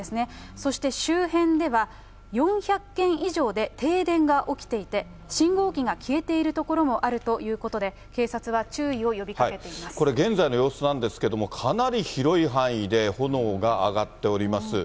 そして、周辺では、４００軒以上で停電が起きていて、信号機が消えている所もあるということで、これ、現在の様子なんですけれども、かなり広い範囲で、炎が上がっております。